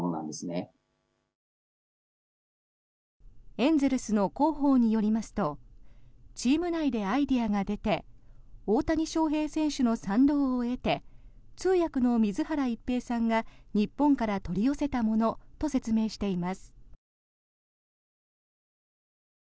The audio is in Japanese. エンゼルスの広報によりますとチーム内でアイデアが出て大谷翔平選手の賛同を得て通訳の水原一平さんが日本から取り寄せたものと説明しています。